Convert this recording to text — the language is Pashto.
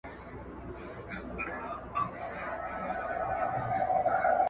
غلطۍ کي مي د خپل حسن بازار مات کړی دی